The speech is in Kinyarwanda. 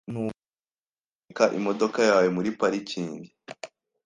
Ntugomba guhagarika imodoka yawe muri parikingi.